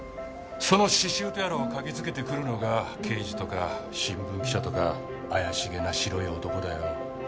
その死臭とやらを嗅ぎつけてくるのが刑事とか新聞記者とか怪しげな白い男だよ。